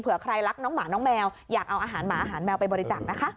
เพื่อใครรักน้องหมาน้องแมวอยากเอาอาหารหมาอาหารแมวไปบริจาคนะคะ